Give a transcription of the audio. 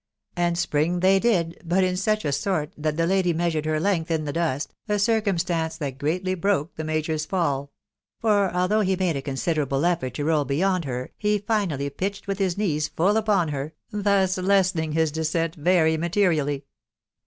" And spring they did, but in such a sort, that the lady measured her length in the dust, a circumstance that greatly broke the major's fall ; for, although he made a considerable effort to roll beyond her, he finally pitched with his knees full upon her, thus lessening his descent very materially.